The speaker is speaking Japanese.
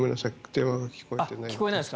電話が聞こえてないです。